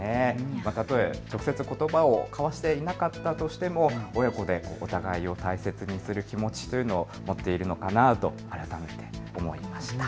たとえ直接ことばを交わしていなかったとしても親子でお互いを大切にする気持ちというのを持っているのかなと改めて思いました。